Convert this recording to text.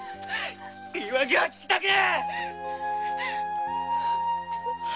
言い訳は聞きたくねえ！